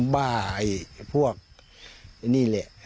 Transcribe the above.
บ้าพวกนี่เลย